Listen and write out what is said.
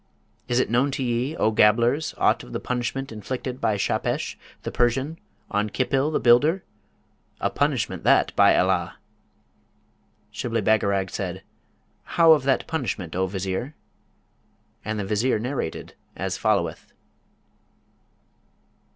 Is't known to ye, O gabblers, aught of the punishment inflicted by Shahpesh, the Persian, on Khipil, the Builder? a punishment that, by Allah!' Shibli Bagarag said, 'How of that punishment, O Vizier?' And the Vizier narrated as followeth.